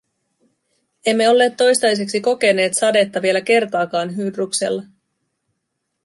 Emme olleet toistaiseksi kokeneet sadetta vielä kertaakaan Hydruksella.